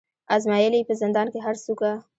آزمېیل یې په زندان کي هره څوکه